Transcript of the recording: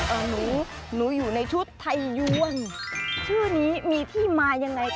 หนูหนูอยู่ในชุดไทยยวนชื่อนี้มีที่มายังไงคะ